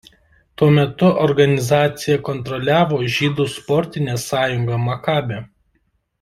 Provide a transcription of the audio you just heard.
Tuo metu organizaciją kontroliavo žydų sportinė sąjunga Maccabi.